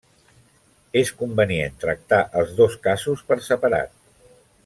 És convenient tractar els dos casos per separat.